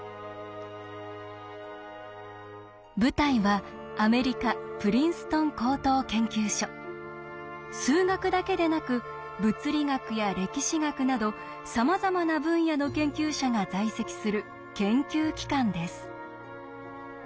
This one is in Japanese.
舞台はアメリカ数学だけでなく物理学や歴史学などさまざまな分野の研究者が在籍する研究機関です。